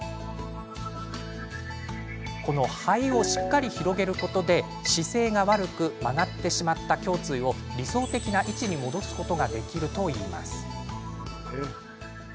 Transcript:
肺をしっかり広げることで姿勢が悪く曲がってしまった胸椎を理想的な位置に戻すことができるといいます。